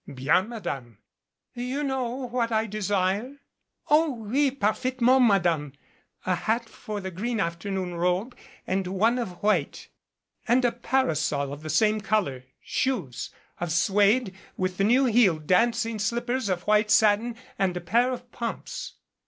"Bien, Madame." "You know what I desire ?" "Oh, oui, parfaitement, Madame a hat for the green afternoon robe and one of white " "And a parasol of the same color, shoes of suede with the new heel, dancing slippers of white satin and a pair of pumps."